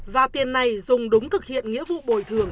và tiền này dùng đúng thực hiện nghĩa vụ bồi thường